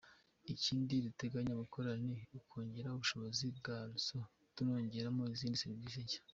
Ikindi dutegenya gukora ni ukongera ubushobozi bwa réseau tunongeramo izindi serivisi nshya.